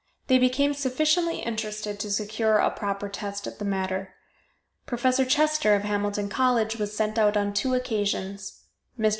They became sufficiently interested to secure a proper test of the matter. Professor Chester of Hamilton College was sent out on two occasions. Mr.